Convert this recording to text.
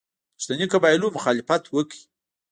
پښتني قبایلو مخالفت وکړ.